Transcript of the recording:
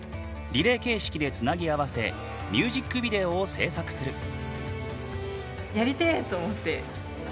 リレー形式でつなぎ合わせミュージックビデオを制作する。